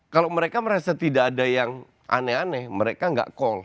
kalau mereka merasa tidak ada yang aneh aneh mereka nggak call